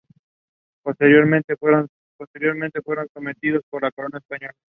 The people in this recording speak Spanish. Posteriormente fueron sometidos por la Corona española.